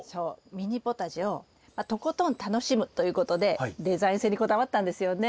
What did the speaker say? ミニポタジェをとことん楽しむということでデザイン性にこだわったんですよね。